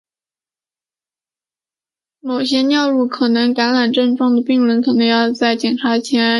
某些尿路可能有感染症状的病人可能要在检查前提供尿样。